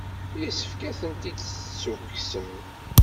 Yessefk ad tent-id-tessukksem.